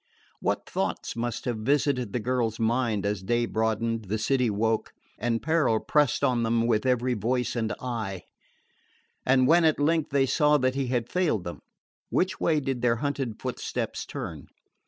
What thoughts must have visited the girl's mind as day broadened, the city woke, and peril pressed on them with every voice and eye! And when at length they saw that he had failed them, which way did their hunted footsteps turn?